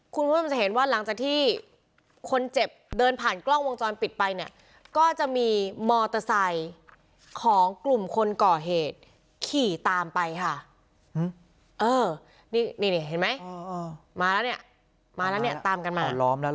คุณผู้หญิงจะเห็นว่าหลังจากที่คนเจ็บเดินผ่านกล้องวงจรปิดไปเนี่ยก็จะมีมอเตอร์ไซค์ของกลุ่มคนก่อเหตุขี่ตามไปค่ะ